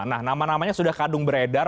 nah nama namanya sudah kadung beredar